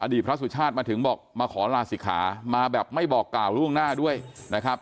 พระสุชาติมาถึงบอกมาขอลาศิกขามาแบบไม่บอกกล่าวล่วงหน้าด้วยนะครับ